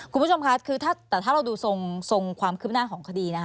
คุณผู้ชมคะถ้าเราดูทรงความคลิบหน้าของคดี